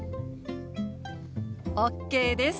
ＯＫです！